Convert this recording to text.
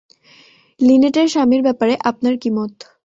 লিনেটের স্বামীর ব্যাপারে আপনার কী মত?